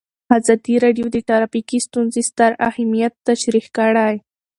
ازادي راډیو د ټرافیکي ستونزې ستر اهميت تشریح کړی.